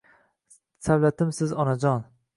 Savlatimsiz Onajon